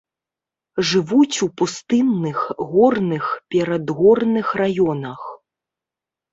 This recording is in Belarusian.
Жывуць у пустынных, горных, перадгорных раёнах.